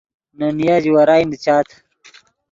نے نیا جوارائی نیچاد